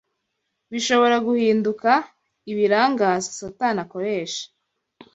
bishobora guhinduka ibirangaza Satani akoresha